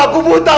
papa aku buta pa